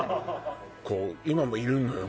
こう今もいるのよ